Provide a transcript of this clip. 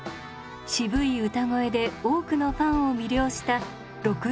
渋い歌声で多くのファンを魅了した６３年の生涯でした。